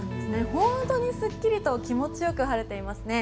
本当にすっきりと気持ちよく晴れていますね。